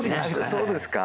そうですか？